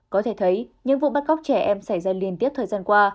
có thể thấy những vụ bắt cóc trẻ em xảy ra liên tiếp thời gian qua